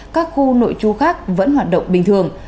các khu nội chú khác vẫn hoạt động bình thường